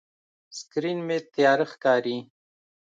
سکرین مې تیاره ښکاري.